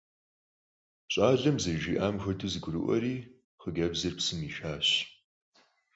Ş'alem zerıjji'am xuedeu, zegurı'ueri xhıcebzır psım yişşaş.